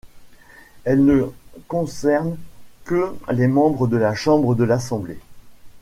Elles ne concernent que les membres de la chambre de l'assemblée.